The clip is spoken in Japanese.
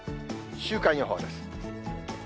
週間予報です。